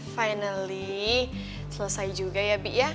finally selesai juga ya bi ya